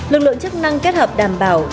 lực lượng chức năng kết hợp đảm bảo